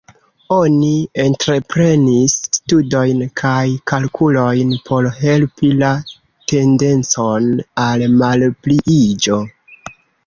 Oni entreprenis studojn kaj kalkulojn por helpi la tendencon al malpliiĝo.